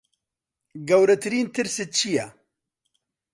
گەورەترین ترست چییە؟